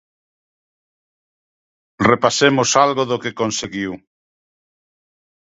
Repasemos algo do que conseguiu.